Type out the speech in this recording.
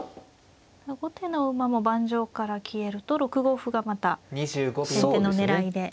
後手の馬も盤上から消えると６五歩がまた先手の狙いで残りますね。